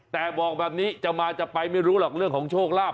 แต่บอกแบบนี้จะมาจะไปไม่รู้หรอกเรื่องของโชคลาภ